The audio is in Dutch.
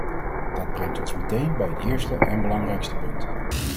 Dat brengt ons meteen bij het eerste en belangrijkste punt.